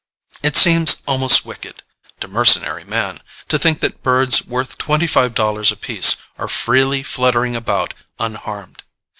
It seems almost wicked to mercenary man to think that birds worth twenty five dollars apiece are freely fluttering about unharmed.